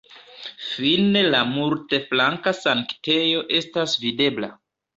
Fine la multflanka sanktejo estas videbla.